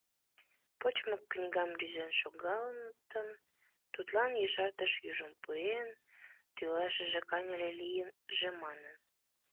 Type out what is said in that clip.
Почмо книгам рӱзен шогылтын, тудлан ешартыш южым пуэн — тӱлашыже каньыле лийже манын.